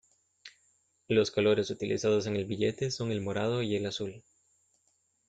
Los colores utilizados en el billete son el morado y el azul.